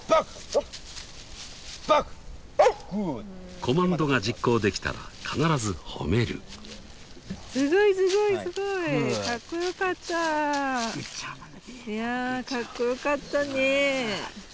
［コマンドが実行できたら必ず褒める］いやカッコ良かったね。